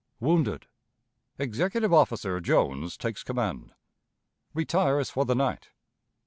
Wounded. Executive Officer Jones takes Command. Retires for the Night.